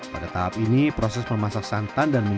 pada tahap ini proses memasak santan dan mincan